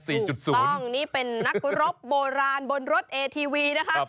ถูกต้องนี่เป็นนักรบโบราณบนรถเอทีวีนะคะ